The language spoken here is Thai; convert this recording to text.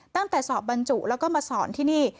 ตั้งแต่สอบบรรจุแล้วก็มาสอนที่นี่